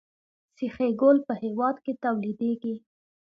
سیخ ګول په هیواد کې تولیدیږي